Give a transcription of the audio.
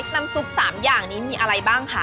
น้ำซุป๓อย่างนี้มีอะไรบ้างคะ